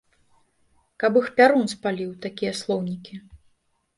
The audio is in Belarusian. Каб іх пярун спаліў, такія слоўнікі!